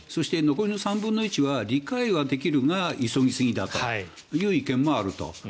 残りの３分の１は理解はできるが急ぎすぎだという意見もあると。